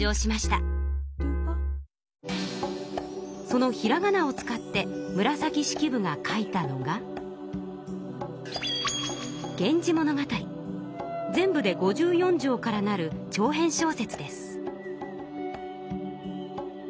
そのひらがなを使って紫式部が書いたのが全部で５４帖からなる長編小説です。